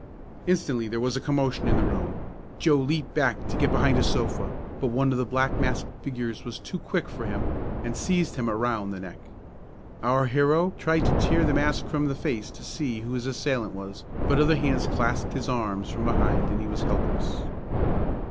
Instantly there was a commotion in the room. Joe leaped back to get behind a sofa, but one of the black masked figures was too quick for him and seized him around the neck. Our hero tried to tear the mask from the face to see who his assailant was, but other hands clasped his arms from behind and he was helpless.